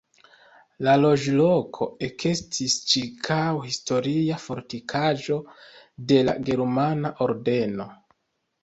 La loĝloko ekestis ĉirkaŭ historia fortikaĵo de la Germana Ordeno.